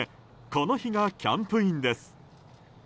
この日がキャンプインです。